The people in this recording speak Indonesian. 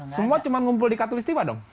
semua cuma ngumpul di katolik setiwa dong